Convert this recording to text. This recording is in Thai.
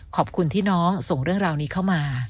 ขอบคุณที่น้องส่งเรื่องราวนี้เข้ามา